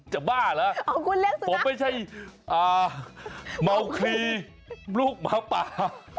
บ้าเหรอผมไม่ใช่เมาคลีลูกหมาป่า